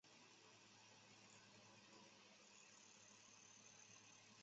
原先共和党人和底层民众也期盼拉马克将军能够向政府施压迫使政府和平转变。